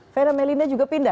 fera melinda juga pindah